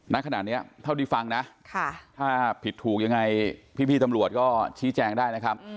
ณขณะนี้เท่าที่ฟังนะถ้าผิดถูกยังไงพี่ตำรวจก็ชี้แจงได้นะครับ